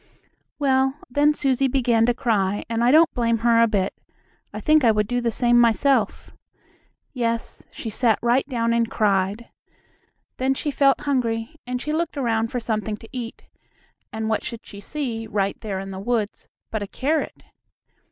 Well, then Susie began to cry, and I don't blame her a bit. I think I would do the same myself. Yes, she sat right down and cried. Then she felt hungry and she looked around for something to eat, and what should she see, right there in the woods, but a carrot.